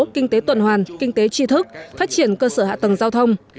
kinh tế tuần hoàn kinh tế tri thức phát triển cơ sở hạ tầng giao thông